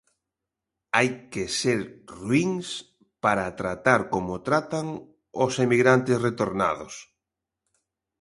Hai que ser ruíns para tratar como tratan os emigrantes retornados.